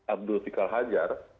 abdul tikal hajar